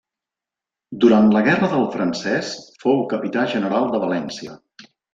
Durant la guerra del francès fou Capità general de València.